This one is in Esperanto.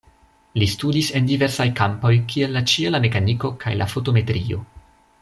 Li studis en diversaj kampoj kiel la ĉiela mekaniko kaj la fotometrio.